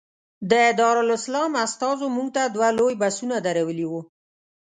د دارالسلام استازو موږ ته دوه لوی بسونه درولي وو.